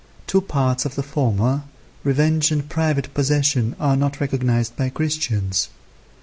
Two parts of the former, revenge and private possession, are not recognized by Christians.